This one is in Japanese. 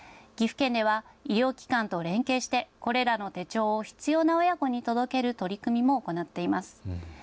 岐阜県では医療機関と連携してこれらの手帳を必要な親子に届ける取り組みも行っています。